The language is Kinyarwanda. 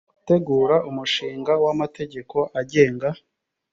gutegura umushinga w amategeko agenga